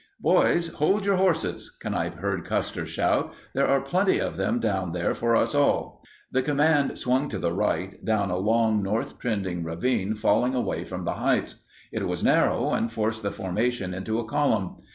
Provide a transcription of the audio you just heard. "Boys, hold your horses," Kanipe heard Custer shout, "there are plenty of them down there for us all." The command swung to the right, down a long north trending ravine falling away from the heights. It was narrow and forced the formation into a column.